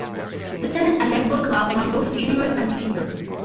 The tennis and netball clubs run both juniors and seniors.